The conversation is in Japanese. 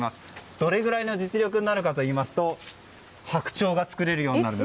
どれぐらいの実力になるかといいますとハクチョウが作れるようになるんです。